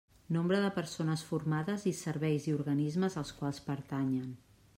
Nombre de persones formades i serveis i organismes als quals pertanyen.